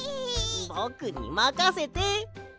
ぼくにまかせて！